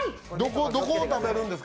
どこを食べるんですか？